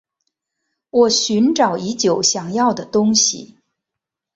我寻找已久想要的东西